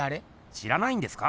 知らないんですか？